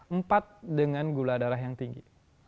empat dengan gula darah yang tinggi